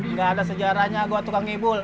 nggak ada sejarahnya gua tukang ghibul